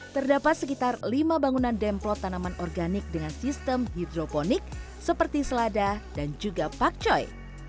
terdapat sekitar lima bangunan demplot tanaman organik dengan sistem hidroponik seperti selada dan juga pakcoy